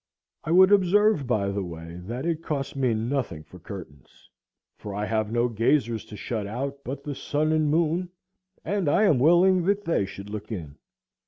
I would observe, by the way, that it costs me nothing for curtains, for I have no gazers to shut out but the sun and moon, and I am willing that they should look in.